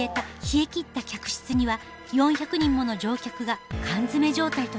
冷え切った客室には４００人もの乗客が缶詰め状態となりました。